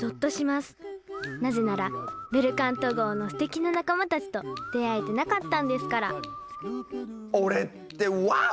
なぜならベルカント号のすてきな仲間たちと出会えてなかったんですから俺ってワオ！